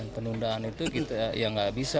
penundaan itu yang tidak bisa